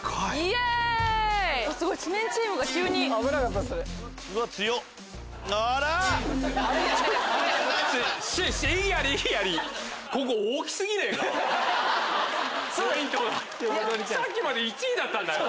さっきまで１位だったんだよ。